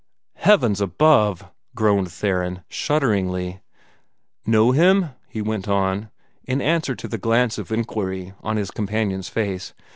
"Heavens above!" groaned Theron, shudderingly. "Know him?" he went on, in answer to the glance of inquiry on his companion's face.